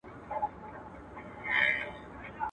کروندې يې د کهاله څنگ ته لرلې.